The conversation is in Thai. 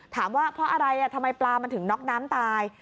ถามว่าเพราะอะไรทำไมปลามันถึงน็อกน้ำตาย